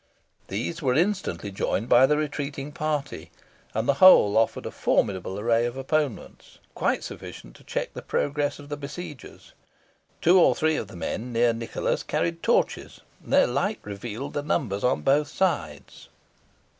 These were instantly joined by the retreating party, and the whole offered a formidable array of opponents, quite sufficient to check the progress of the besiegers. Two or three of the men near Nicholas carried torches, and their light revealed the numbers on both sides.